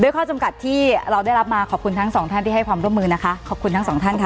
ข้อจำกัดที่เราได้รับมาขอบคุณทั้งสองท่านที่ให้ความร่วมมือนะคะขอบคุณทั้งสองท่านค่ะ